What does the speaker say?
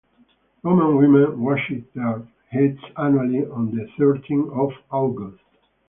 Roman women washed their heads annually on the thirteenth of August.